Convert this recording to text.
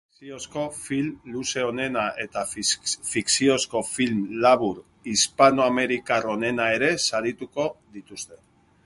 Fikziozko film luze onena eta fikziozko film labur hispanoamerikar onena ere sarituko dituzte.